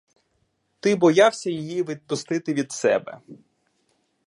Ти боявся її відпустити від себе.